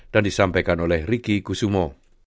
dan disampaikan oleh riki kusumo